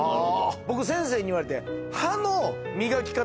僕先生に言われて。